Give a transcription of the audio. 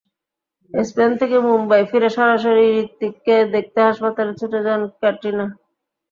Spain থেকে মুম্বাই ফিরে সরাসরি হৃতিককে দেখতে হাসপাতালে ছুটে যান ক্যাটরিনা।